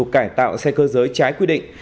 cải tạo xe cơ giới trái quy định